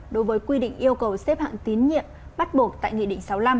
đối với quy định yêu cầu xếp hạng tín nhiệm bắt buộc tại nghị định sáu mươi năm